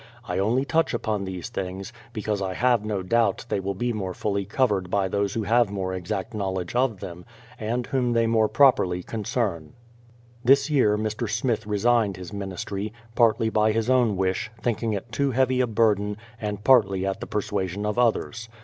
I only touch upon these things, because I have no doubt they will be more fully covered by those who have more exact knowledge of them, and whom they more properly concern. This year Mr. Smith resigned his ministry, partly by his own wish, thinking it too heax^ a burden, and partly at the persuasion of others.